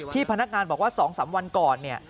พนักงานบอกว่า๒๓วันก่อนเนี่ย